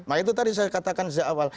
nah itu tadi saya katakan sejak awal